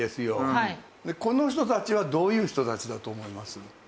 この人たちはどういう人たちだと思います？